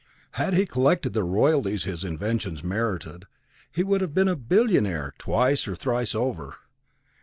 Had he collected the royalties his inventions merited, he would have been a billionaire twice or thrice over.